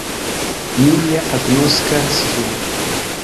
Mi ja agnoskas ĝin.